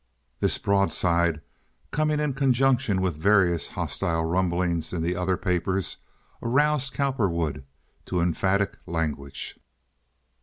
This broadside, coming in conjunction with various hostile rumblings in other papers, aroused Cowperwood to emphatic language.